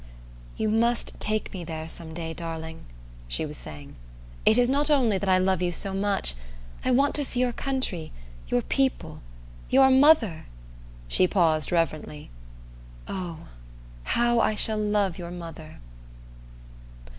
"You must take me there someday, darling," she was saying. "It is not only that I love you so much, I want to see your country your people your mother " she paused reverently. "Oh, how I shall love your mother!"